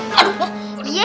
kok kita jatuh mumpung ya